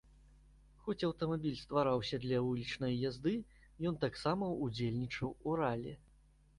Хоць аўтамабіль ствараўся для вулічнай язды, ён таксама ўдзельнічаў у ралі.